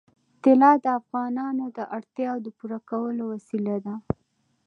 طلا د افغانانو د اړتیاوو د پوره کولو وسیله ده.